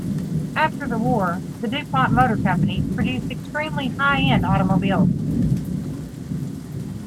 After the war, the Du Pont Motor Company produced extremely high-end automobiles.